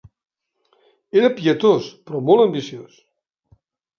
Era pietós però molt ambiciós.